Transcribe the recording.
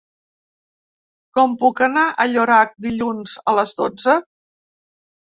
Com puc anar a Llorac dilluns a les dotze?